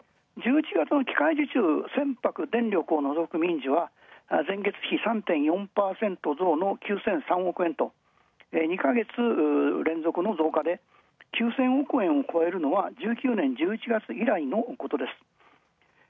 １１月の船舶、電力をのぞく前月比３．４％増の９００３億円と２ヶ月連続の増加で、９０００億円を超えるのは１９年１１月以来のこと。